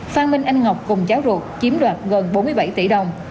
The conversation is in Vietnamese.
phan minh anh ngọc cùng giáo ruột chiếm đoạt gần bốn mươi bảy tỷ đồng